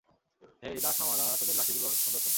হেই, দাস মামারা, তোদের লাঠিগুলো সুন্দর তো!